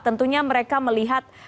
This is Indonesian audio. tentunya mereka melihat